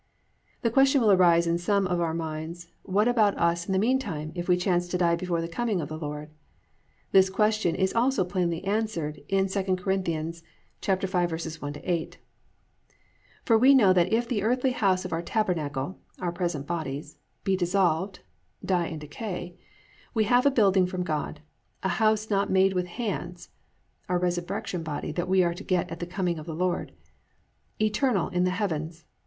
"+ The question will arise in some of our minds, what about us in the meantime if we chance to die before the coming of the Lord? This question also is plainly answered in II Cor. 5:1 8: +"For we know that if the earthly house of our tabernacle+ (our present bodies) +be dissolved+ (die and decay) +we have a building from God, a house not made with hands+ (our resurrection body that we are to get at the coming of the Lord), +eternal, in the heavens.